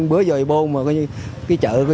bữa giờ bôn mà cái chợ